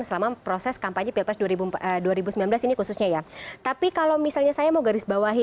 pelayan pemerintah terpercaya masyarakat kembali di segmen dua berikut